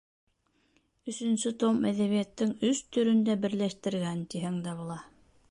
Өсөнсө том әҙәбиәттең өс төрөн дә берләштергән, тиһәң дә була.